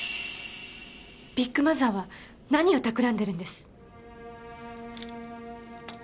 ビッグマザーは何をたくらんでるんです？